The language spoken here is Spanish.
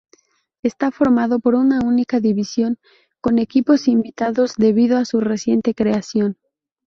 Está formado por una única división, con equipos invitados debido a su reciente creación.